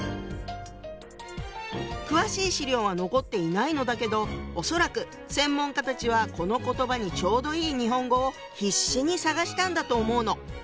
詳しい資料は残っていないのだけど恐らく専門家たちはこの言葉にちょうどいい日本語を必死に探したんだと思うの。